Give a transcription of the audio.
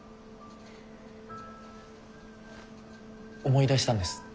思い出したんです。